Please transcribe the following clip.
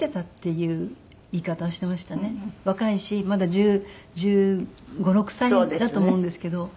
若いしまだ１５１６歳だと思うんですけど。